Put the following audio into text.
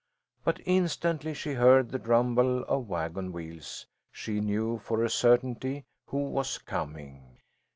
But instantly she heard the rumble of wagon wheels she knew for a certainty who was coming.